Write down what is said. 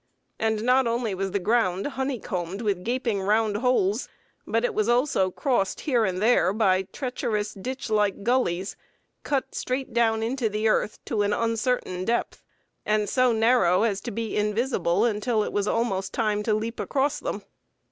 And not only was the ground honey combed with gaping round holes, but it was also crossed here and there by treacherous ditch like gullies, cut straight down into the earth to an uncertain depth, and so narrow as to be invisible until it was almost time to leap across them.